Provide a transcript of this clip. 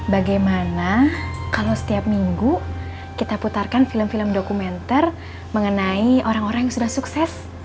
bagaimana kalau setiap minggu kita putarkan film film dokumenter mengenai orang orang yang sudah sukses